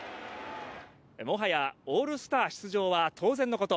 もはやオールスター出場は当然のこと。